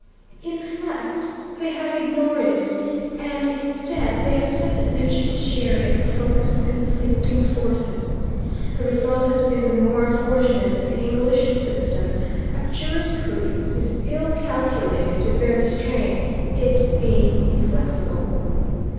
In fact they have ignored it, and instead they have set their judiciary at the focus of conflicting forces. The result has been the more unfortunate as the English system of jurisprudence is ill calculated to bear the strain, it being inflexible.